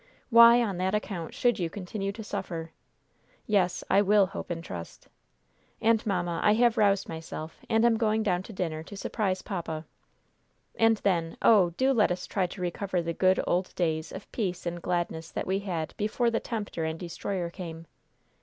Why, on that account, should you continue to suffer? Yes, I will hope and trust. And, mamma, I have roused myself, and am going down to dinner to surprise papa. And then, oh, do let us try to recover the good, old days of peace and gladness that we had before the tempter and destroyer came.